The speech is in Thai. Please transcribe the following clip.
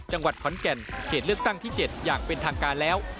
จังหวัดขอนแก่นเขตเลือกตั้งที่๗อย่างเป็นทางการแล้ว